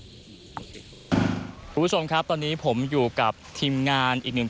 คุณผู้ชมครับตอนนี้ผมอยู่กับทีมงานอีกหนึ่ง